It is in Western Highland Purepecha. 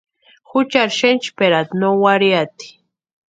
Juchari xenchperata no warhiati.